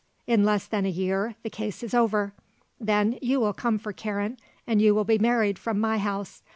In less than a year the case is over. Then you will come for Karen and you will be married from my house.